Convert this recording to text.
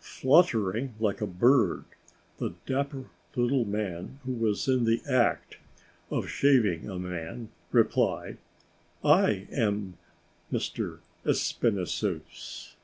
Fluttering like a bird, the dapper little man, who was in the act of shaving a man, replied: "I am Monsieur Espinassous."